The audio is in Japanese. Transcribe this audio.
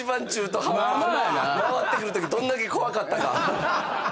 回ってくるときどんだけ怖かったか。